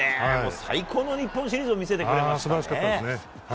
最高の日本シリーズを見せてくれましたね。